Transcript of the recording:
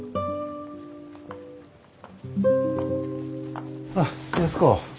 あっ安子。